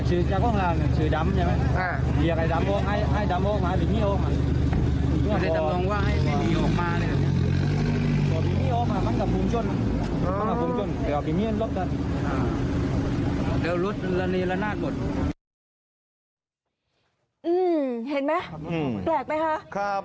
อืมเห็นไหมอืมแปลกไหมฮะครับ